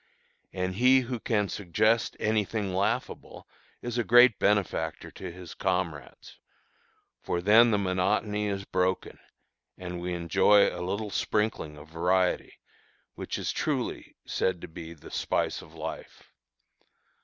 And he who can suggest any thing laughable is a great benefactor to his comrades; for then the monotony is broken, and we enjoy a little sprinkling of variety, which is truly said to be "the spice of life."